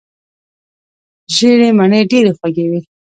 ژېړې مڼې ډېرې خوږې وي.